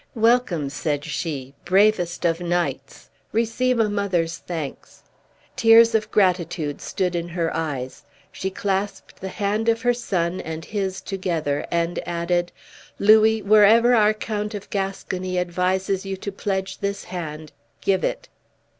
"Welcome," said she, "bravest of knights; receive a mother's thanks." Tears of gratitude stood in her eyes. She clasped the hand of her son and his together, and added, "Louis, wherever our Count of Gascony advises you to pledge this hand, give it."